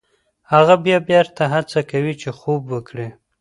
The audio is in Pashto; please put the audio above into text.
هغه بیا بېرته هڅه کوي چې خوب وکړي.